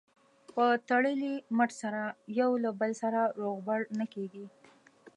په تړلي مټ سره یو له بل سره روغبړ نه کېږي.